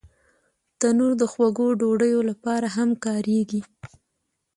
تنور د خوږو ډوډیو لپاره هم کارېږي